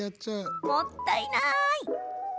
もったいない。